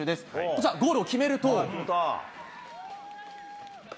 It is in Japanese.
こちら、ゴールを決めると。